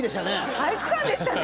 体育館でしたね。